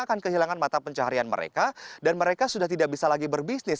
akan kehilangan mata pencaharian mereka dan mereka sudah tidak bisa lagi berbisnis